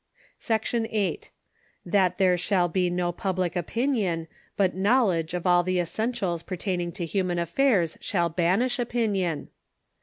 Section VIII. That there shall be no public opinion, but knowledge of all the essentials pertaining to human affairs shall banish opinion